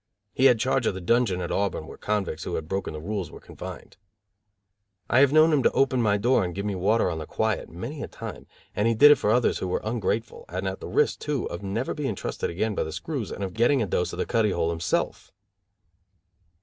He had charge of the dungeon at Auburn where convicts who had broken the rules were confined. I have known him to open my door and give me water on the quiet, many a time, and he did it for others who were ungrateful, and at the risk, too, of never being trusted again by the screws and of getting a dose of the cuddy hole himself.